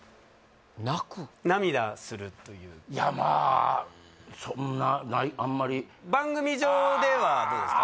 涙するといういやまあそんなないあんまり番組上ではどうですか？